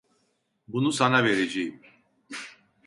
Bunu sana vereceğim.